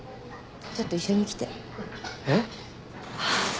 ちょっと一緒に来てえっ？